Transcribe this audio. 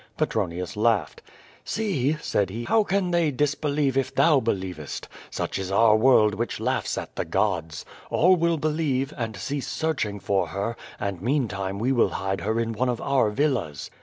Petronius laughed. "See,'' said he; "how can they dis believe if thou believest? Such is our world which laughs at the gods. All will believe, and cease searching for her, and meantime we will hide her in one of our villas."